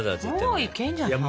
もういけんじゃない？